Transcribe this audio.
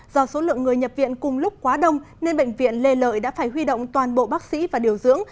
do số lượng người nhập viện cùng lúc quá đông nên bệnh viện lê lợi đã phải huy động toàn bộ bác sĩ và điều dưỡng